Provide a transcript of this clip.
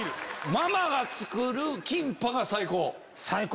ママが作るキンパが最高。